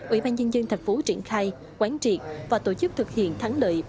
ủy ban nhân dân thành phố triển khai quán triệt và tổ chức thực hiện thắng lợi